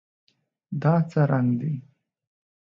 دا څه رنګ دی؟